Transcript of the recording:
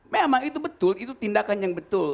memang itu betul itu tindakan yang betul